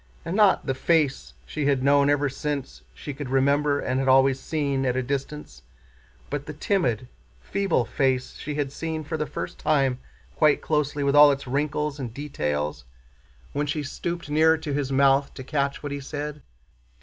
And not the face she had known ever since she could remember and had always seen at a distance, but the timid, feeble face she had seen for the first time quite closely, with all its wrinkles and details, when she stooped near to his mouth to catch what he said.